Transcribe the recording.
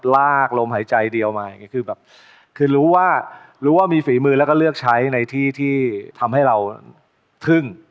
ลากลมหายใจเดียวมาคือรู้ว่ามีฝีมือแล้วก็เลือกใช้ในที่ที่ทำให้เราทึ่ง